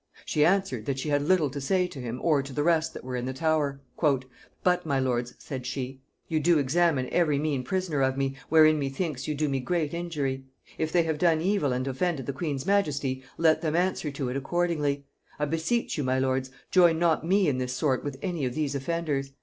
She answered that she had little to say to him or to the rest that were in the Tower. "But, my lords," said she, "you do examine every mean prisoner of me, wherein methinks you do me great injury. If they have done evil and offended the queen's majesty, let them answer to it accordingly. I beseech you, my lords, join not me in this sort with any of these offenders.